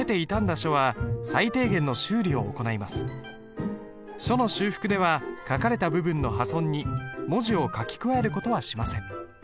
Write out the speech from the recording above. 書の修復では書かれた部分の破損に文字を書き加える事はしません。